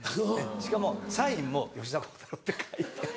しかもサインも吉田鋼太郎って書いて。